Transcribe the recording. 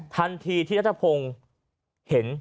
ทันทีที่รัฐพงศ์เห็น